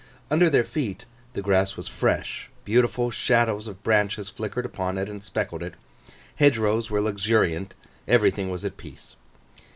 Under their feet, the grass was fresh; beautiful shadows of branches flickered upon it, and speckled it; hedgerows were luxuriant; everything was at peace.